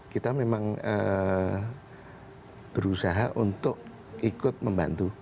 kita memang berusaha untuk ikut membantu